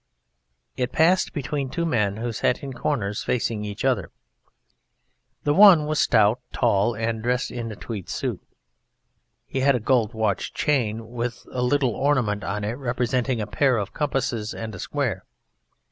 It passed between two men who sat in corners facing each other. The one was stout, tall, and dressed in a tweed suit. He had a gold watch chain with a little ornament on it representing a pair of compasses and a square.